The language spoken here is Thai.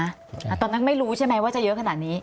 ตอนนั้นไม่รู้ใช่ไหมว่าจะเยอะขนาดนี้